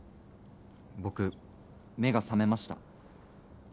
僕目が覚めました。